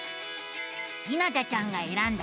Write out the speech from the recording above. ひなたちゃんがえらんだ